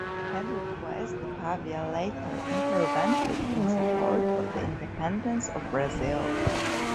Henriques de Paiva later intervened in support of the independence of Brazil.